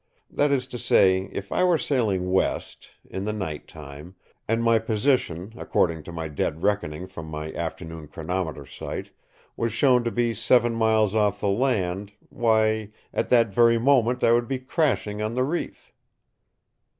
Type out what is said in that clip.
That is to say, if I were sailing west, in the night time, and my position, according to my dead reckoning from my afternoon chronometer sight, was shown to be seven miles off the land, why, at that very moment I would be crashing on the reef.